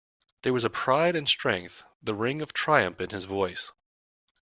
There was pride and strength, the ring of triumph in his voice.